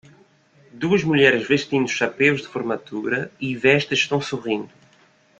Duas mulheres vestindo chapéus de formatura e vestes estão sorrindo.